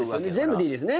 全部でいいですね？